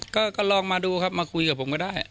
ก็ลองมาดูครับมาคุยกับผมก็ได้